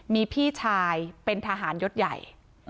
มีพี่ชายเป็นทหารยศใหญ่